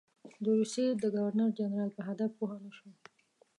د روسیې د ګورنر جنرال په هدف پوه نه شو.